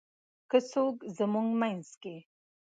که څوک زمونږ مينځ کې :